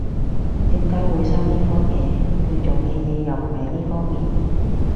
點解會收呢科嘅？佢做嘅嘢又唔係呢方面